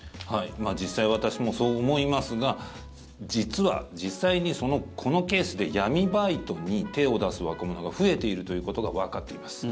実際、私もそう思いますが実は実際に、このケースで闇バイトに手を出す若者が増えているということがわかっています。